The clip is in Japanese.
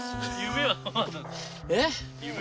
えっ？